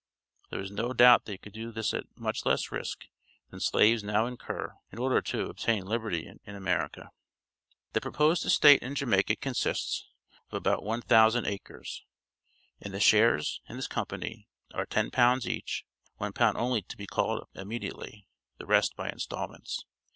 "There is no doubt they could do this at much less risk than slaves now incur, in order to obtain liberty in America." The proposed estate in Jamaica consists of about one thousand acres, and the shares in this company are £10 each, £1 only to be called up immediately, the rest by instalments.